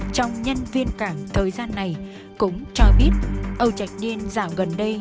trong nhân viên cảng thời gian này cũng cho biết âu trạch niên dạo gần đây